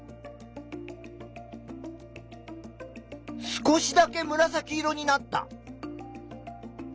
少しだけむらさき色になった。